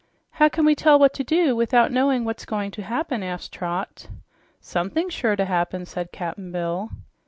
"How can we tell what to do without knowing what's going to happen?" asked Trot. "Somethin's sure to happen," said Cap'n Bill.